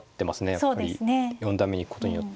やっぱり四段目に行くことによって。